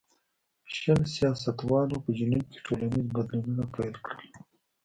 شل سیاستوالو په جنوب کې ټولنیز بدلونونه پیل کړل.